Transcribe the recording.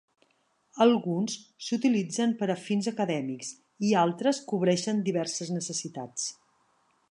Alguns s"utilitzen per a fins acadèmics i altres cobreixen diverses necessitats.